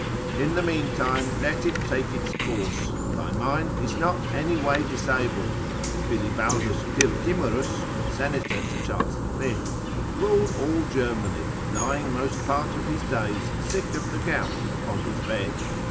In the mean time, let it take its course, thy mind is not any way disabled. Bilibaldus Pirkimerus, senator to Charles the Fifth, ruled all Germany, lying most part of his days sick of the gout upon his bed.